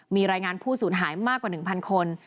มีรายงานผู้สูญหายมากกว่า๑๐๐คน